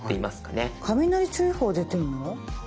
雷注意報出てるの？